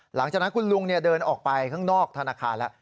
หลังจากนั้นคุณลุงเดินออกไปข้างนอกธนาคารแล้ว